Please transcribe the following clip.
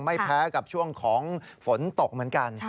ไม่แพ้กับช่วงของฝนตกเหมือนกัน